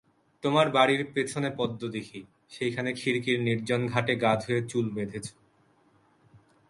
তোমার বাড়ির পিছনে পদ্মদিঘি, সেইখানে খিড়কির নির্জন ঘাটে গা ধুয়ে চুল বেঁধেছ।